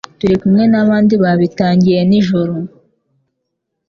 turikumwe nabandi babitangiye nijoro